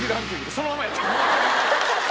そのままやった。